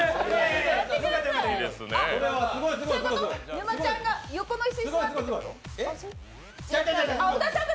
沼ちゃんが横の椅子に座ってってこと？